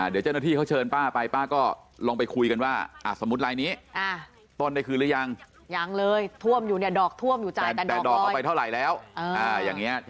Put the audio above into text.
เดี๋ยวเจ้าหน้าที่เขาเชินป้าไป